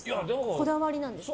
こだわりなんですか？